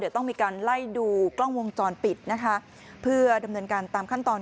เดี๋ยวต้องมีการไล่ดูกล้องวงจรปิดนะคะเพื่อดำเนินการตามขั้นตอน